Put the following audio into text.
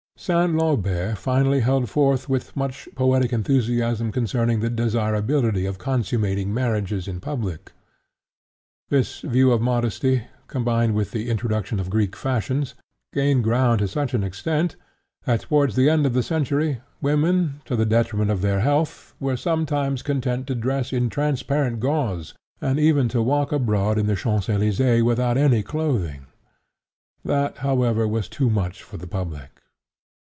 Saint Lambert finally held forth with much poetic enthusiasm concerning the desirability of consummating marriages in public. This view of modesty, combined with the introduction of Greek fashions, gained ground to such an extent that towards the end of the century women, to the detriment of their health, were sometimes content to dress in transparent gauze, and even to walk abroad in the Champs Elysées without any clothing; that, however, was too much for the public.